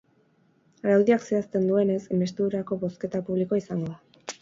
Araudiak zehazten duenez, inbestidurako bozketa publikoa izango da.